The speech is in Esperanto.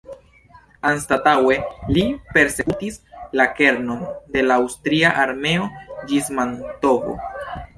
Anstataŭe li persekutis la kernon de la Aŭstria armeo ĝis Mantovo.